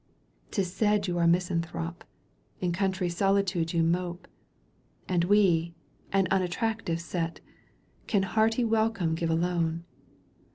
'Tis said you are a misanthrope. In country solitude you mope, And we — an unattractive set — Can hearty welcome give alone.